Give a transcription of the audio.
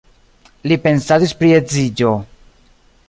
Li pensadis pri edziĝo.